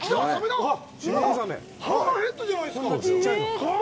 ハンマーヘッドじゃないですか。